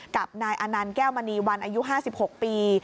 กับนายอนันต์แก้วมณีวันอายุ๕๖ปี